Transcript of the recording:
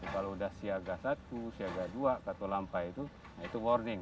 kalau sudah siaga satu siaga dua katulampa itu itu warning